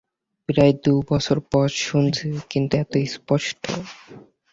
প্রায় দুবছর পর শুনছি, কিন্তু এত স্পষ্ট!